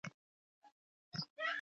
افغانستان زما پیژندګلوي ده